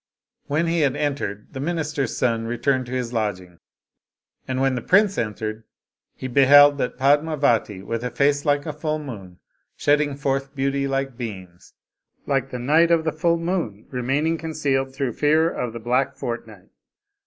When he had entered, the minister's son returned to his lodging. And when the prince entered, he beheld that Padmavati with a face like a full moon, shedding forth beauty like beams, like the night of the full moon remaining concealed through fear of the black fortnight.